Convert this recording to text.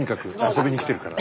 遊びに来てるから。